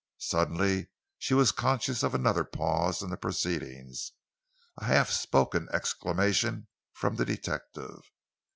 Suddenly she was conscious of another pause in the proceedings, a half spoken exclamation from the detective.